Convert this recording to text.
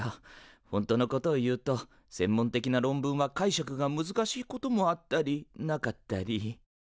本当のことを言うと専門的な論文は解釈が難しいこともあったりなかったり。